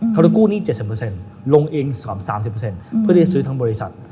เขาจะกู้หนี้๗๐ลงเอง๓๐เพื่อที่จะซื้อทั้งบริษัท